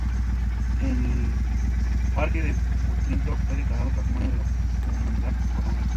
El parque de Butrinto fue declarado Patrimonio de la Humanidad por la Unesco.